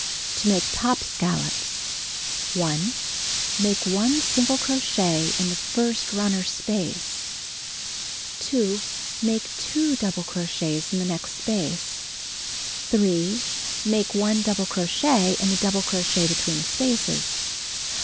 To Make Top Scallops: 1. Make 1 single crochet in the first runner space. 2. Make 2 double crochets in the next space. 3. Make 1 double crochet in the double crochet between the spaces.